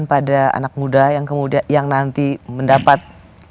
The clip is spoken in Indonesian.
pada anak muda yang nanti mendapat